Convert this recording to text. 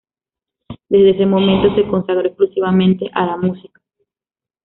Desde ese momento, se consagró exclusivamente a la música.